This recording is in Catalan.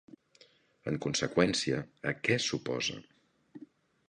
En conseqüència, a què s'oposa?